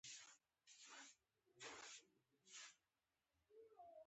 د اوږدو هډوکو تنه د متراکم نسج له ډلې څخه ده.